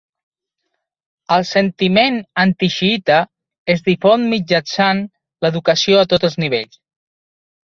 El sentiment antixiita es difon mitjançant l'educació a tots els nivells.